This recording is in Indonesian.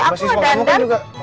aku gak dandan